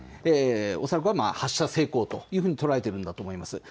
恐らくは発射成功というふうに捉えているのだと思います。